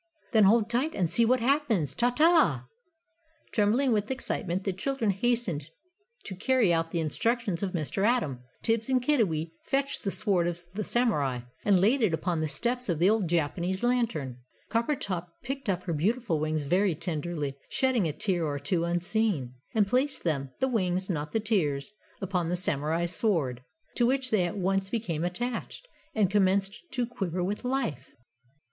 Then hold tight, and see what happens. Ta ta!" Trembling with excitement, the children hastened to carry out the instructions of Mr. Atom. Tibbs and Kiddiwee fetched the sword of the Samurai, and laid it upon the steps of the old Japanese Lantern. Coppertop picked up her beautiful wings very tenderly, shedding a tear or two unseen, and placed them the wings, not the tears upon the Samurai's sword, to which they at once became attached, and commenced to quiver with life!